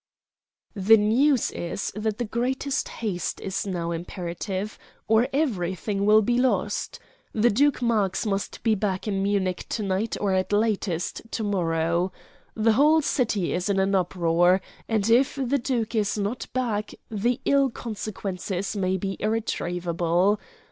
"The news is that the greatest haste is now imperative, or everything will be lost. The Duke Marx must be back in Munich to night or at latest to morrow. The whole city is in an uproar, and if the duke is not back the ill consequences may be irretrievable.